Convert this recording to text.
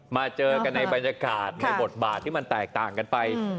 มาเจอกันในบรรยากาศในบทบาทที่มันแตกต่างกันไป